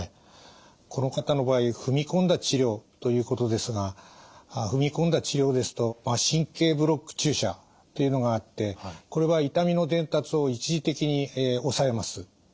この方の場合「踏み込んだ治療」ということですが「踏み込んだ治療」ですと神経ブロック注射というのがあってこれは痛みの伝達を一時的に抑えます。